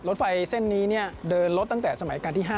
รถไฟเส้นนี้เดินรถตั้งแต่สมัยการที่๕